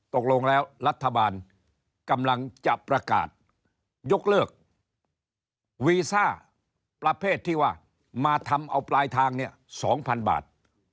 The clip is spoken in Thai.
ตกลงแล้วรัฐบาลกำลังจะประกาศยกเลิกวีซ่าประเภทที่ว่ามาทำเอาปลายทางเนี่ย๒๐๐๐บาท